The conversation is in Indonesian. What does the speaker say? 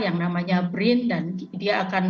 yang namanya brin dan dia akan